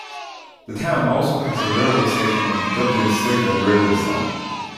The town also has a railway station on the Dublin-Sligo railway line.